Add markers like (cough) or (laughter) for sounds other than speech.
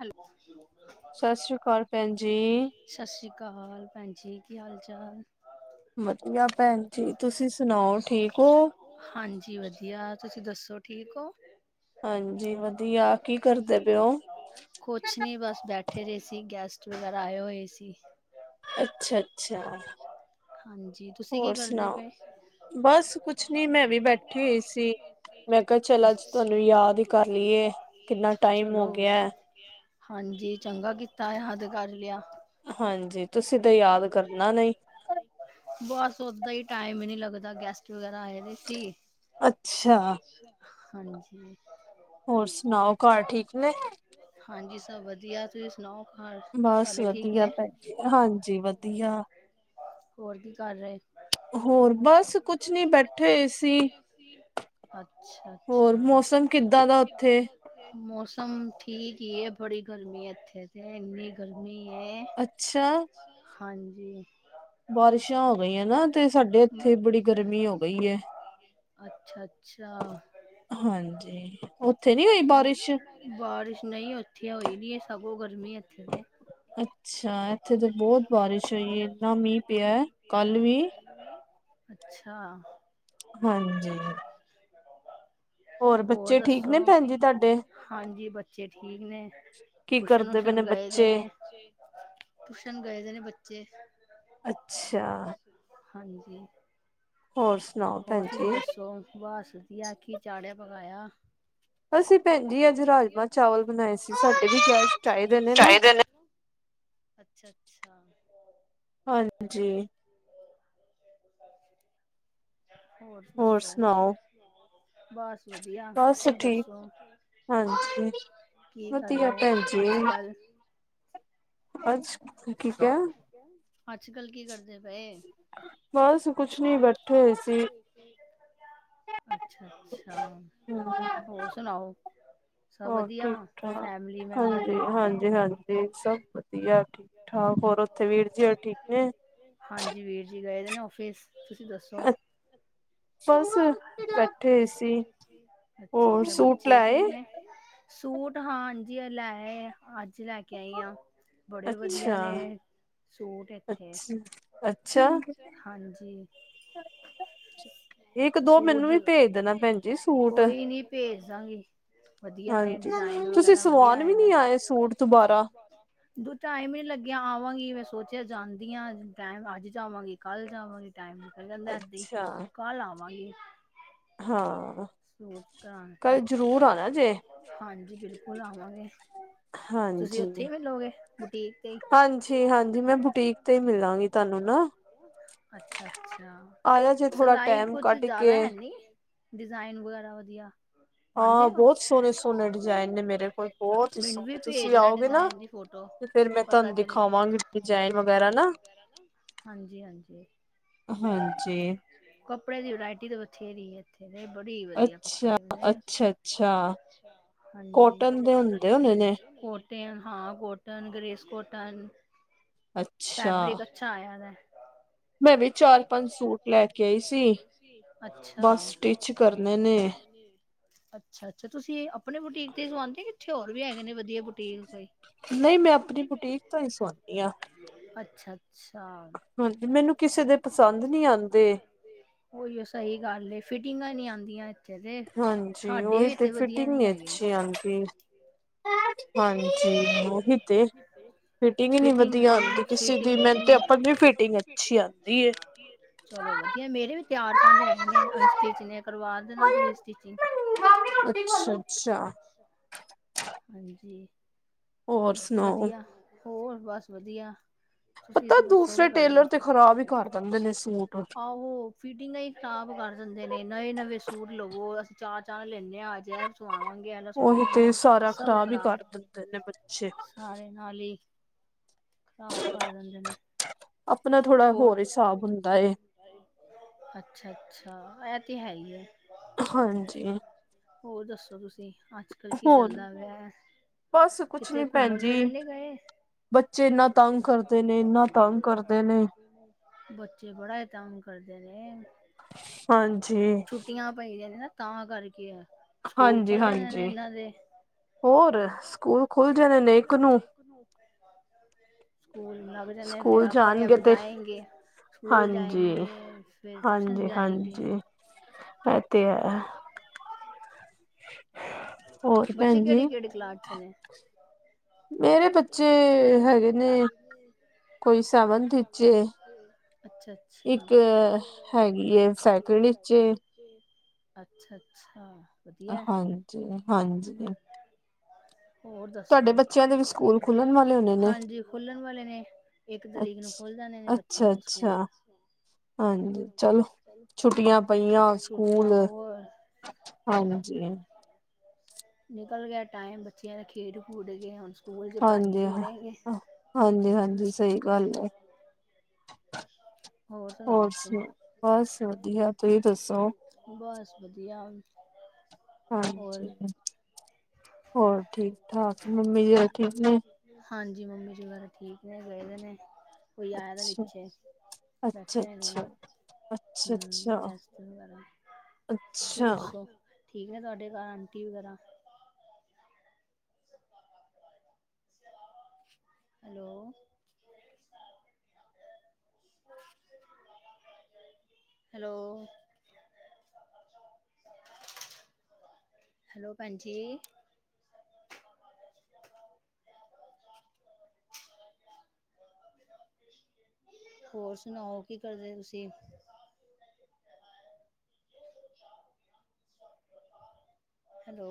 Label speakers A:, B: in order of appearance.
A: Hello.
B: ਸਤਿ ਸ੍ਰੀ ਅਕਾਲ, ਭੈਣ ਜੀ।
A: ਕਾਲ ਭੈਂਣ ਜੀ, ਕੀ ਹਾਲ- ਚਾਲ?
B: ਵਧੀਆ, ਭੈਣ ਜੀ। ਤੁਸੀਂ ਸੁਣਾਓ, ਠੀਕ ਹੋ?
A: ਤੁਸੀਂ, ਦੱਸੋ ਠੀਕ ਹੋ?
B: ਹਾਂਜੀ, ਵਧੀਆ। ਕੀ, ਕਰਦੇ ਪਏਓ?
A: ਕੁਛ ਨੀ, ਬਸ, ਬੈਠੇ ਰਹੇ ਸੀ। ਗੈਸਟ ਵਗੈਰਾ ਆਏ ਹੋਏ ਸੀ।
B: ਅੱਛਾ- ਅੱਛਾ ਹੋਰ ਸੁਣਾਓ ਬਸ ਕੁਛ ਨਹੀਂ ਮੈਂ ਵੀ ਬੈਠੀ ਹੋਈ ਸੀ ਮੈਂ ਕਿਹਾ ਚੱਲ ਅੱਜ ਤੁਹਾਨੂੰ ਯਾਦ ਹੀ ਕਰ ਲਈਏ ਕਿੰਨਾ ਟਾਇ
A: ਚਲੋ ਹਾਂਜੀ ਚੰਗਾ ਕੀਤਾ ਆ ਅੱਜ ਕਰ ਲਿਆ।
B: ਹਾਂਜੀ ਤੁਸੀਂ ਤਾਂ ਯਾਦ ਕਰਨਾ ਨਹੀਂ।
A: ਬਸ ਓਦਾਂ ਹੀ ਟਾਈਮ ਹੀ ਨੀ ਲੱਗਦਾ ਗੈਸਟ ਵਗੈ ਆਏ ਦੇ ਸੀ ਹਾਂਜੀ।
B: ਹੋਰ ਸੁਣਾਓ ਘਰ ਠੀਕ ਨੇ।
A: ਤਾਂ ਵਧੀਆ ਤੁਸੀਂ ਸੁਣਾਓ।
B: ਬਸ ਵਧੀਆ ਭੈਣ ਜੀ ਹਾਂਜੀ ਵਧੀਆ
A: ਹੋਰ ਕੀ ਕਰ ਰਹੇ।
B: ਹੋਰ ਬਸ
A: ਅੱਛਾ -ਅੱਛਾ ਮੌਸਮ ਠੀਕ ਹੀ ਹੈ ਬੜੀ ਗਰਮੀ ਇੱਥੇ ਤੇ ਇੰਨੀ ਗਰਮੀ
B: ਅੱਛਾ
A: ਹਾਂਜੀ
B: ਬਾਰਿਸ਼ਾਂ ਹੋ ਗਈਆਂ ਨਾ ਤੇ ਸਾਡੇ ਇੱਥੇ ਬੜੀ ਗਰਮੀ ਹੋ ਗਈ ਏ।
A: ਅੱਛਾ -ਅੱਛਾ ਬਾਰਿਸ਼ ਨਹੀਂ ਉੱਥੇ ਹੋਈ ਨੀ ਹੈ ਸਗੋਂ ਗਰਮੀ ਮੀਂਹ ਇੱਥੇ ਦੇ (unintelligible) ਅੱਛਾ
B: ਹਾਂਜੀ ਹੋਰ ਬੱਚੇ ਠੀਕ ਨੇ ਭੈਣ ਜੀ ਤੁਹਾਡੇ
A: ਹਾਂਜੀ ਬੱਚੇ ਠੀਕ ਨੇ ਟੂਸ਼ਨਸ਼ਨ ਵਸ਼ਨ ਗਏ ਦੇ ਨੇ। ਟੂਸ਼ਨ ਗਏ ਜ ਨੇ ਬੱਚੇ
B: ਅੱਛਾ
A: ਹਾਂਜੀ ਹੋਰ ਤੁਸੀਂ ਦੱਸੋ ਬਸ ਵਧੀਆ ਕੀ ਚਾੜਿਆ ਪਕਾਇਆ
B: (inaudible) ਅਸੀਂ ਭੈਣ ਜੀ ਅੱਜ ਰਾਜਮਾਂ ਚਾਵਲ ਬਣਾਏ ਸੀ ਸਾਡੇ ਵੀ ਗੈਸ ਚਾਹੀਦੇ ਨੇ ਨਾ।
A: ਅੱਛਾ -ਅੱਛਾ (inaudible) ਹੋਰ ਦੱਸੋ ਬਸ ਵਧੀਆ ਤੁਸੀਂ ਦੱਸੋ?
B: ਹਾਂਜੀ ਵਧੀਆ ਭੈਣ ਜੀ ਅੱਛ ਕੀ ਕਿਹਾ
A: ਅੱਜ ਕੱਲ ਕੀ ਕਰਦੇ।
B: ਬਸ ਕੁਝ ਨਹੀਂ ਬੈਠੇ ਹੋਏ ਸੀ।
A: ਅੱਛਾ -ਅੱਛਾ ਹੋਰ ਸੁਣਾਓ?
B: ਹੋਰ ਠੀਕ ਠਾਕ ਹਾਂਜੀ -ਹਾਂਜੀ -ਹਾਂਜੀ ਸਭ ਵਧੀਆ ਠੀਕ ਠਾਕ ਹੋਰ ਉੱਥੇ ਵੀਰ ਜੀ ਹੋਰ ਠੀਕ ਨੇ।
A: ਗਏ ਦੇ ਨੇ ਔਫਿਸ ਤੁਸੀਂ ਦੱਸੋ।
B: ਬਸ ਬੈਠੇ ਸੀ ਹੋਰ ਸੂਟ ਲੈ ਏ।
A: ਸੂਟ ਹਾਂਜੀ ਲੈ ਆਏ ਹਾਂ ਹਾਂਜੀ। ਲੈ ਕੇ ਆਈ ਆਂ ਬੜੇ ਵਧੀਆ ਨੇ ਸੂਟ ਇੱਥੇ ਹਾਂਜੀ
B: (inaudible)
A: ਸੂਟ ਦੀ ਕੋਈ ਨੀ ਭੇਜ ਦਾਂਗੀ।
B: ਹਾਂਜੀ ਤੁਸੀਂ ਸਵਾਨ ਵੀ ਨੀ ਆਏ ਸੂਟ ਦੁਬਾਰਾ
A: ਟਾਇਮ ਵੀ ਨੀ ਲੱਗਿਆ, ਆਵਾਂਗੀ ਵੈਸ ਸੋਚਿਆ ਜਾਂਦੀ ਹਾਂ, ਟਾਈਮ ਅੱਜ ਜਾਵਾਂਗੀ ਕੱਲ ਜਾਵਾਂਗੀ। ਟਾਈਮ ਨਿਕਲ ਜਾਂਦਾ ਇਦਾ ਹੀ, ਕੱਲ ਆਵਾਂਗੀ।
B: ਹਾਂ।
A: ਸ ਕਰਾ ਹਾਂਜੀ, ਬਿਲਕੁਲ ਆਵਾਂਗੇ।
B: ਹਾਂਜੀ-ਹਾਂਜੀ-ਹਾਂਜੀ, ਮੈਂ ਬੁਟੀਕ ਤੇ ਮਿਲਾਂਗੀ ਤੁਹਾਨੂੰ ਨਾ। (inaudible)
A: ਅੱਛਾ-ਅੱਛਾ, ਸਿਲਾਈ ਕੁਛ ਜਿਆਦਾ ਹੈ ਨੀ? ਡਿਜ਼ਾਇਨ ਵਗੈਰਾ ਵਧੀਆ?
B: ਹਾਂ, ਬਹੁਤ ਸੋਹਣੇ-ਸੋਹਣੇ ਡਿਜ਼ਾਇਨ ਨੇ ਮੇਰੇ ਕੋਲ ਬਹੁਤ ਹੀ ਸੋਹਣੇ। ਤੁਸੀਂ ਆਓਗੇ ਨਾ ਤੇ ਫੇਰ ਮੈਂ ਤੁਹਾਨੂੰ ਦਿਖਾਵਾਂਗੀ, ਡਿਜਾਇਨ ਵਗੈਰਾ ਨਾ।
A: ਹਾਂਜੀ-ਹਾਂਜੀ, ਕੱਪੜੇ ਦੀ ਵਰਾਇਟੀ ਤੇ ਬਥੇਰੀ ਹੈ ਇੱਥੇ। ਬੜੇ ਹੀ ਵਧੀਆ ਕੱਪੜੇ ਨੇ। ਹਾਂਜੀ। ਕੋਟੇਨ ਹਾਂ ਕੋਟਨ ਗਰੇੇਸ ਕੋਟਨ ਫੈਬਰਿਕ ਅੱਛਾ ਆਇਆ ਦੇ।
B: (inaudible)
A: ਅੱਛਾ।
B: (inaudible)
A: ਅੱਛਾ-ਅੱਛਾ, ਤੁਸੀਂ ਆਪਣੇ ਬੁਟੀਕ ਤੇ ਸਵਾਉਂਦੇ? ਕਿੱਥੇ ਹੋਰ ਵੀ ਹੈਗੇ ਨੇ ਵਦੀਆ
B: ਨਹੀਂ ਮੈਂ ਆਪਣੀ ਬੁਟੀਕ ਤੋ ਹੀ ਸੁਵਾਨੀਂ ਹਾਂ।
A: ਅੱਛਾ। ਅੱਛਾ, ਉਹੀਓ ਸਹੀ ਗੱਲ ਕੇ। ਫਿਟਿੰਗਾਂ ਨੀ ਆਂਦੀਆਂ।
B: ਹਾਂਜੀ, ਉਹੀ ਤੇ ਫਿਟਿੰਗ ਨੀ ਅੱਛੀ ਆਂਦੀ। ਹਾਂਜੀ।
A: ਅਠ (unintelligible)
B: ਫਿਟਿੰਗ ਹੀ ਨੀ ਵਧੀਆ ਆਉਂਦੀ, ਕਿਸੇ ਦੀ ਮਿਨ ਤੇ ਉਪਰਲੀ ਫਿਟਿੰਗ ਅੱਛੀ ਆਦੀ ਐ।
A: ਚਲੋ ਵਧੀਆ, ਮੇਰੇ ਵੀ ਚਾਰ ਪੰਜ ਹੈਗੇ ਨੇ ਅਨਸਟਿਚ ਨੇ ਕਰਵਾ ਦੇ
B: ਅੱਛਾ-ਅੱਛਾ।
A: ਹਾਂਜੀ, ਵਧੀਆ ਹੋਰ ਬਸ ਵਧੀਆ।
B: ਪਤਾ ਦੂਸਰੇ ਟੇਲਰ ਤੇ ਖ਼ਰਾਬ ਹੀ ਕੰ
A: ਆਹੋ ਫਿਟਿੰਗ ਹੀ ਖ਼ਰਾਬ ਕਰ ਦਿੰਦੇ ਨੇ, ਨਵੇਂ ਨਵੇਂ ਸੂਟ ਲਵੋ ਚਾਰ-ਚਾਰ ਲੈਂਨੇ ਆ ਅੱਜ ਇਹ ਸਵਾਵਾਂਗੇ, ਇਹ ਵਾਲਾ ਸਵਾਵਾਂਗੇ ਸਭ ਖਰਾਬ ਸਾਰੇ ਨਾਲ ਹੀ ਖਰਾਬ ਕਰ ਦਿੰਦੇ ਨੇ। ਹੋਰ ਅੱਛਾ-ਅੱਛਾ, ਇਹ ਤੇ ਹੈ ਹੀਏ।
B: ਹਾਂਜੀ।
A: ਹੌਰ ਦੱਸੋ ਤੁਸੀਂ? ਅੱਜ-ਕਲ੍ਹ, ਕੀ ਚੱਲਦਾ ਪਆਏ ਕਿਤੇ, ਘੁੰਮਣ ਫਿਰਨ ਨਹੀਂ ਗਏ?
B: ਬੱਚੇ, ਇੰਨਾਂ ਤੰਗ ਕਰਦੇ ਨੇ, ਇੰਨਾਂ ਤੰਗ ਕਰਦੇ ਨੇ।
A: ਬੱਚੇ, ਬੜਾਹੀ ਤੰਗ ਕਰਦੇ ਨੇ। ਛੁੱਟੀਆਂ ਪਈ ਦੀਆਂ ਨੇ ਨਾ ਤਾਂ ਕਰਕੇ। ਸਕੂਲ ਖੁੱਲ ਜਾਣੇ ਨੇ ਇਹਨਾਂ ਦੇ।
B: ਹੋਰ ਸਕੂਲ ਖੁੱਲ ਜਾਣੇ ਨੇ ਨੇਕ ਨੂੰ।
A: ਸਕੂਲ ਲਭ ਜਾਂਦੇ ਹਾਂ ਫਿਰ ਆਪ (unintelligible) ਆਪਣੇ ਆਪ ਜਾਏਂਗੇ, ਸਕੂਲ ਜਾਏਂਗੇ ਫਿਰ, ਟਿਊਸ਼ਨ ਜਾਏਂਗੇੇ।
B: ਅੇਤੇ ਹੈਂ। ਹ (inaudible)
A: ਬੱਚੇ ਕਿਹੜੀ-ਕਿਹੜੀ ਕਲਾਸ ਚ ਨੇ?
B: ਮੇਰੇ ਬੱਚੇਏ ਹੈਗੇ ਨੇ ਕੋਈ ਸੈਵਥ ਚ ਐ ਇੱਕ ਅ ਹੈਗੀ ਏ ਸੈਕਿੰਡ ਚ ਏ।
A: ਅੱਛਾ ਅੱਛਾ ਵਧੀਆ ਐ
B: ਜੀ ਹਾਂਜੀ
A: ਹੋਰ ਦੱਸੋ? ਹਾਂਜੀ, ਖੁਲਣ ਵਾਲੇ ਨੇ ਇੱਕ ਤਰੀਕ ਨੂੰ ਖੁਲ ਖੋਲਣ ਵਾਲੇ ਨੇ (unintelligible) ਬੱਚਿਆਂ ਦੇ ਸਕੂਲ।
B: ਹਾਂਜੀ। ਚਲ, ਛੁੱਟੀਆਂ ਪਈਆਂ ਸਕੂਲ ਹਾਂਜੀ।
A: ਨਿਕਲ ਗਿਆ ਟਾਈਮ, ਬੱਚਿਆਂ ਨੇ ਖੇਡ ਖੁਡ ਕੇ ਹੁਣ ਸਕੁ
B: ਹਾਂਜੀ ਹ ਹ ਹਾਂਜੀ ਹਾਂਜੀ ਸਹੀ ਗੱਲ ਹੈ। ਹੋਰ ਸੁ, ਬਸ ਵਧੀਆ ਤੁਹੀ ਦੱਸੋ?
A: ਬਸ ਵਧੀਆ।
B: ਹਾਂਜੀ। ਹੋਰ ਠੀਕ ਠਾਕ, ਮੰਮੀ ਜੀ ਔਰ (unintelligible) ਠੀਕ ਨੇ।
A: ਹਾਂਜੀ, ਮੰਮੀ ਜੀ ਵੈਰਾ ਠੀਕ ਨੇ, ਗਏ ਵੇ ਨੇ, ਕੋਈ ਆਇਆ ਵਾ ਇਹ ਨੀਚੇ। ਬੈਠੇ ਹੋਏ ਨੇ ਹਮ ਗੈਸਟ ਵਗੈਰਾ।
B: ਅੱਛਾ।
A: ਠੀਕ ਹੈ ਤੁਹਾਡੇ ਘ ਆਂਟੀ ਵਗੈਰਾ। ਹੈਲੋ। ਹੈਲੋ। ਹੈਲੋ ਭੈਣ ਜੀ ਹੋਰ ਸੁਣਾਓ ਕੀ ਕਰਦੇ ਤੁਸੀਂ। ਹੈਲੋ।